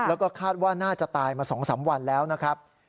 แล้วก็คาดว่าน่าจะตายมา๒๓วันแล้วนะครับ